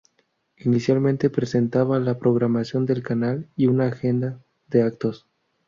Inicialmente presentaba la programación del canal y una agenda de actos.